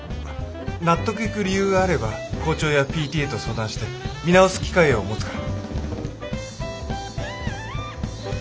納得いく理由があれば校長やＰＴＡと相談して見直す機会を持つから。